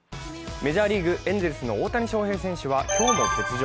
メジャーリーグ・エンゼルスの大谷翔平選手は今日も欠場。